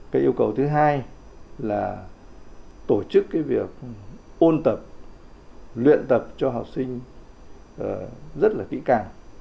cái yêu cầu thứ hai là tổ chức cái việc ôn tập luyện tập cho học sinh rất là kỹ càng